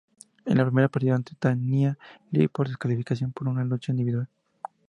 En la primera, perdió ante Tanya Lee por descalificación en una lucha individual.